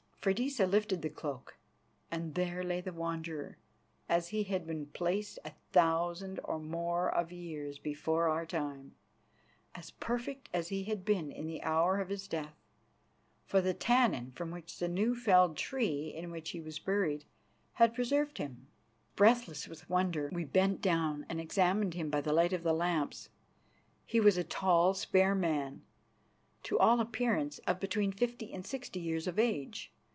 Freydisa lifted the cloak, and there lay the Wanderer as he had been placed a thousand or more of years before our time, as perfect as he had been in the hour of his death, for the tannin from the new felled tree in which he was buried had preserved him. Breathless with wonder, we bent down and examined him by the light of the lamps. He was a tall, spare man, to all appearance of between fifty and sixty years of age.